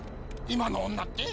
「今の女」って？